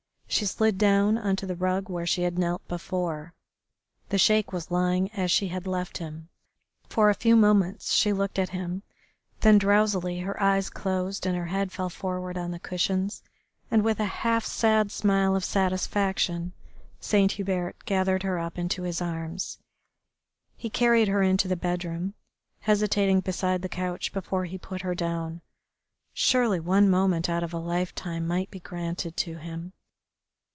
She slid down on to the rug where she had knelt before. The Sheik was lying as she had left him. For a few moments she looked at him, then drowsily her eyes closed and her head fell forward on the cushions, and with a half sad smile of satisfaction Saint Hubert gathered her up into his arms. He carried her into the bedroom, hesitating beside the couch before he put her down. Surely one moment out of a lifetime might be granted to him.